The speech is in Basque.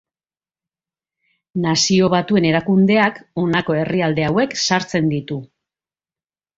Nazio Batuen Erakundeak honako herrialde hauek sartzen ditu.